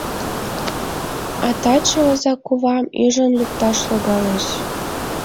А таче озакувам ӱжын лукташ логалеш.